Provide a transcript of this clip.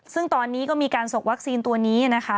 ซึ่งตอนนี้ก็มีการส่งวัคซีนตัวนี้นะคะ